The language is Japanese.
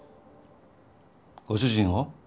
ご主人を？